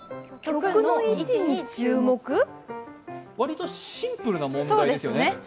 割とシンプルな問題ですよね。